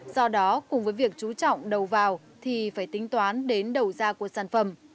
do đó cùng với việc chú trọng đầu vào thì phải tính toán đến đầu ra của sản phẩm